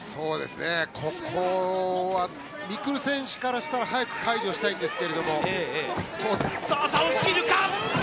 ここは未来選手からしたら早く解除したいですが。